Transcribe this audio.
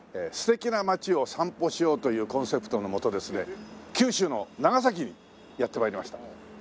素敵な町を散歩しようというコンセプトのもとですね九州の長崎にやって参りました。